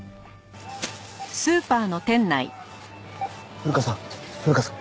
古川さん古川さん